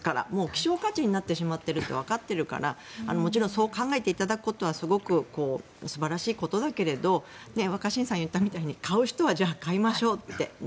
希少価値になってしまっているってわかっているからもちろんそう考えていただくことは素晴らしいことだけど若新さんが言ったみたいに買う人はじゃあ買いましょうと。